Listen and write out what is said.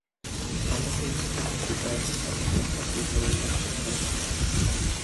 Allerdings wartet die Band dann noch etwas mit neuem Material.